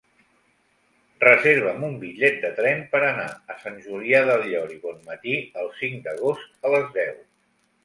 Reserva'm un bitllet de tren per anar a Sant Julià del Llor i Bonmatí el cinc d'agost a les deu.